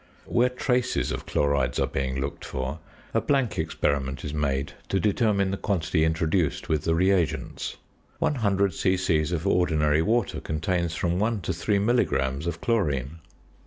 Where traces of chlorides are being looked for, a blank experiment is made to determine the quantity introduced with the reagents. One hundred c.c. of ordinary water contains from 1 to 3 milligrams of chlorine.